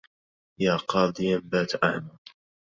يا قاضيا بات أعمى